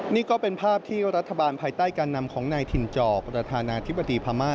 นี่ก็เป็นภาพที่รัฐบาลภายใต้การนำของนายถิ่นจอกประธานาธิบดีพม่า